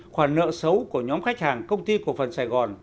khoản nợ xấu của nhóm khách hàng công ty cổ phần sài gòn